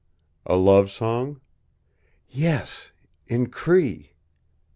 "A love song?" "Yes, in Cree."